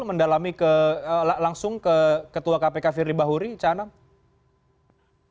mendalami langsung ke ketua kpk firly bahuri cah anam